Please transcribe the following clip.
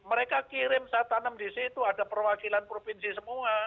mereka kirim saya tanam di situ ada perwakilan provinsi semua